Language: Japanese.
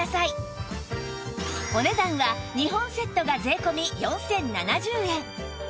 お値段は２本セットが税込４０７０円